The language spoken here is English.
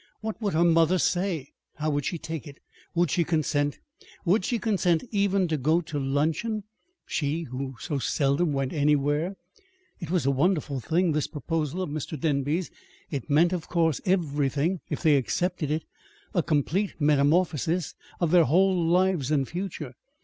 What would her mother say? How would she take it? Would she consent? Would she consent even to go to luncheon she who so seldom went anywhere? It was a wonderful thing this proposal of Mr. Denby's. It meant, of course, everything, if they accepted it, a complete metamorphosis of their whole lives and future.